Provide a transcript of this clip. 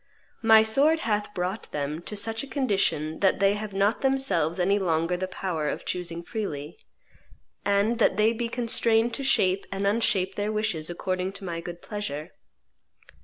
My sword hath brought them to such a condition that they have not themselves any longer the power of choosing freely, and that they be constrained to shape and unshape their wishes according to my good pleasure.